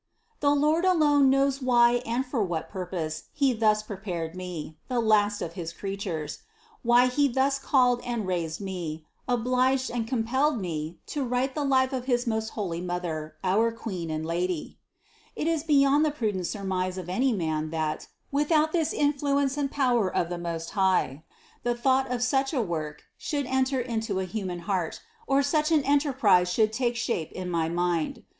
The Lord alone knows why and for what purpose He thus prepared me, the last of his creatures ; why He thus called and raised me, obliged and compelled me, to write the life of his most holy Mother, our Queen and Lady. 4. It is beyond the prudent surmise of any man that, without this influence and power of the Most High, the thought of such a work should enter into a human heart, or such an enterprise should take shape in my mind.